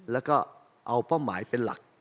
แล้วก็เอาเป้าหมายเป็นหลัก